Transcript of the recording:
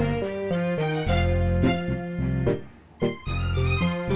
udah selesai bang